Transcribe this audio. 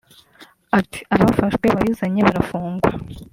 Ati “Abafashwe babizanye barafungwa